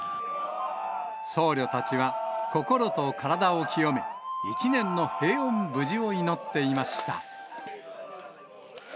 僧侶たちは心と体を清め、一年の平穏無事を祈っていました。